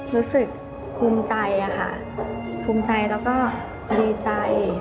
รู้สึกภูมิใจค่ะภูมิใจแล้วก็ดีใจ